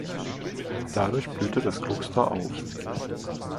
Dadurch blühte das Kloster auf.